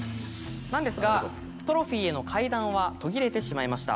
なんですがトロフィーへの階段は途切れてしまいました。